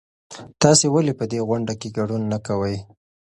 تاسې ولې په دې غونډه کې ګډون نه کوئ؟